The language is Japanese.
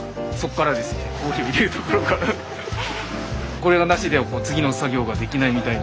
これがなしでは次の作業ができないみたいな。